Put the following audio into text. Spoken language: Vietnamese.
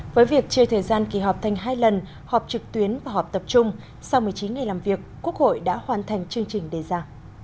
với việc chia thời gian kỳ họp thành hai lần họp trực tuyến và họp tập trung sau một mươi chín ngày làm việc quốc hội đã hoàn thành chương trình đề ra